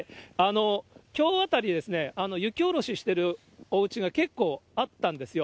きょうあたり、雪下ろししてるおうちが結構あったんですよ。